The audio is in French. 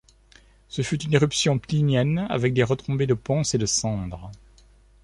Ce fut une éruption plinienne avec des retombées de ponces et de cendres.